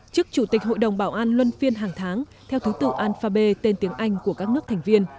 trước chủ tịch hội đồng bảo an luân phiên hàng tháng theo thứ tự alphabet tên tiếng anh của các nước thành viên